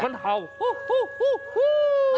มันเห่าฮูฮูฮู